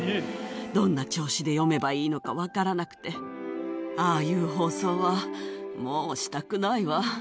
どんな調子で読めばいいのか分からなくて、ああいう放送はもうしたくないわ。